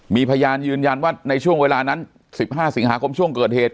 มีพยานยืนยันว่าในช่วงเวลานั้น๑๕สิงหาคมช่วงเกิดเหตุ